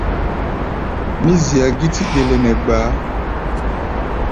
Mí zia gítí ɗele nɛ gbaá.